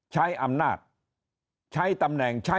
ใช้อำนาจใช้ตำแหน่งใช้ความสนใจ